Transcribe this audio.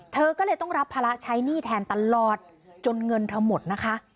เธอก็เลยต้องรับภาระใช้หนี้แทนตลอดจนเงินเธอหมดนะคะ